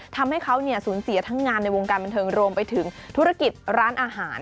ทำให้เขาสูญเสียทั้งงานในวงการบันเทิงรวมไปถึงธุรกิจร้านอาหาร